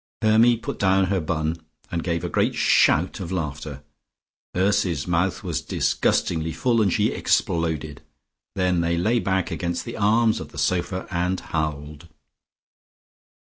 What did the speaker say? Hermy put down her bun, and gave a great shout of laughter; Ursy's mouth was disgustingly full and she exploded. Then they lay back against the arms of the sofa and howled.